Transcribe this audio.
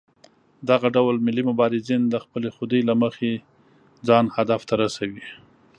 دغه ډول ملي مبارزین د خپلې خودۍ له مخې ځان هدف ته رسوي.